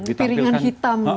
piringan hitam dulu yang masih